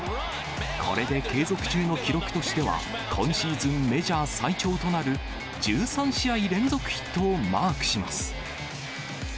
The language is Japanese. これで継続中の記録としては、今シーズンメジャー最長となる、１３試合連続ヒットをマークします。